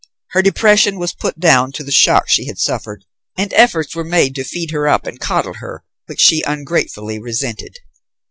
Her depression was put down to the shock she had suffered, and efforts were made to feed her up and coddle her, which she ungratefully resented.